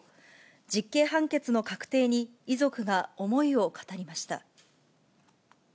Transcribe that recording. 実刑判決の確定に、遺族が思いを語りました。